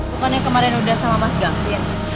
bukannya kemarin udah sama mas gafin